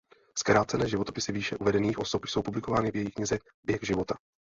Zkrácené životopisy výše uvedených osob jsou publikovány v její knize "Běh života".